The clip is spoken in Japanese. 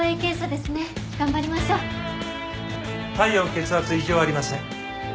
体温血圧異常ありません。